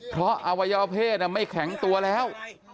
เพราะอวัยวเพศไม่แข็งตัวแล้ว